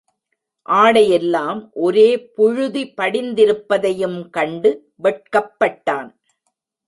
ஆடையெல்லாம் ஒரே புழுதி படிந்திருப்பதையும் கண்டு வெட்கப்பட்டான்.